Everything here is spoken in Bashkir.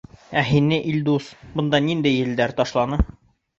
Ә һине, Илдус, бында ниндәй елдәр ташланы?